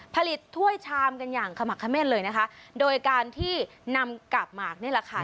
ถ้วยชามกันอย่างขมักเขม่นเลยนะคะโดยการที่นำกาบหมากนี่แหละค่ะ